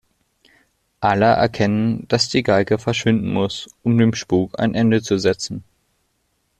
Alle erkennen, dass die Geige verschwinden muss, um dem Spuk ein Ende zu setzen.